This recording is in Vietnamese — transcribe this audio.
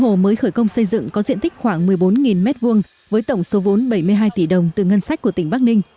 hồ mới khởi công xây dựng có diện tích khoảng một mươi bốn m hai với tổng số vốn bảy mươi hai tỷ đồng từ ngân sách của tỉnh bắc ninh